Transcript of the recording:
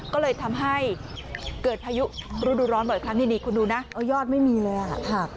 ก็เลยทำให้เกิดพายุฤดูร้อนบ่อยครั้งนี่คุณดูนะยอดไม่มีเลยอ่ะค่ะ